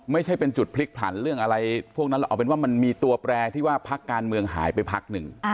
ไม่ใช่เป็นจุดพลิกผลันเรื่องอะไรพวกนั้นเราเอาเป็นว่ามันมีตัวแปรที่ว่าพักการเมืองหายไปพักหนึ่ง